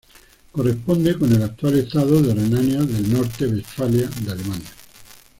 Corresponde con el actual estado de Renania del Norte-Westfalia de Alemania.